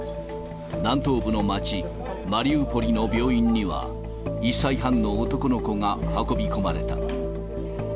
南東部の街、マリウポリの病院には、１歳半の男の子が運び込まれた。